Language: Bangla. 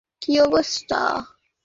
তোমার একী অবস্থা?